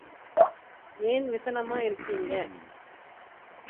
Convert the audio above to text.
ஏன் விசனமா இருக்கீங்க?